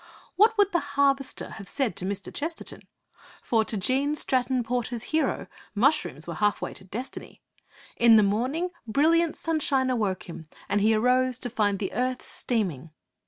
What would the Harvester have said to Mr. Chesterton? For, to Gene Stratton Porter's hero, mushrooms were half way to destiny. 'In the morning, brilliant sunshine awoke him, and he arose to find the earth steaming.